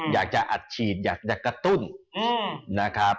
อยากจะอัดฉีดอยากจะกระตุ้นนะครับ